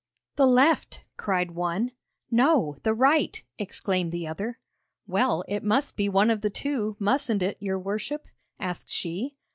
'The left,' cried one. 'No; the right,' exclaimed the other. 'Well, it must be one of the two, mustn't it, your worship?' asked she.